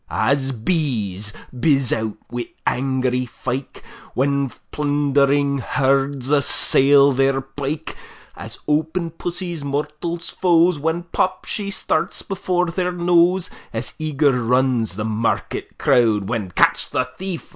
As bees bizz out wi' angry fyke, When plundering herds assail their byke; As open pussie's mortal foes, When, pop! she starts before their nose; As eager runs the market crowd, When "Catch the thief!"